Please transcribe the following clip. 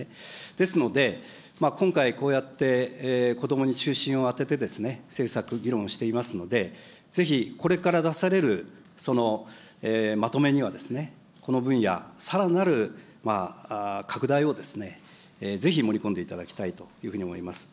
ですので、今回こうやって子どもに中心を当ててですね、政策議論をしていますので、ぜひこれから出されるそのまとめにはですね、この分野、さらなる拡大をぜひ盛り込んでいただきたいというふうに思います。